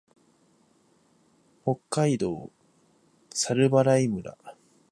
北海道猿払村